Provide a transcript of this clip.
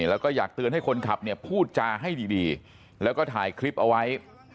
แล้วก็อยากเตือนให้คนขับเนี่ยพูดจาให้ดีแล้วก็ถ่ายคลิปเอาไว้